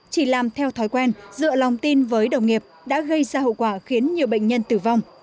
chỉ làm theo thói quen dựa lòng tin với đồng nghiệp đã gây ra hậu quả khiến nhiều bệnh nhân tử vong